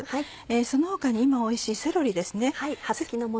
その他に今おいしいセロリですね。